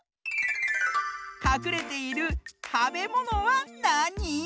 かくれているたべものはなに？